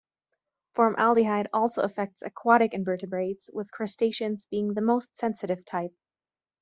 Formaldehyde also affects aquatic invertebrates, with crustaceans being the most sensitive type.